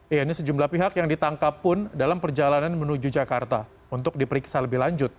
ya ini sejumlah pihak yang ditangkap pun dalam perjalanan menuju jakarta untuk diperiksa lebih lanjut